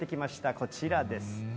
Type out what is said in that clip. こちらです。